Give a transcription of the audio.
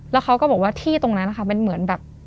แล้วเขาก็บอกว่าที่ตรงนั้นนะคะเป็นเหมือนแบบ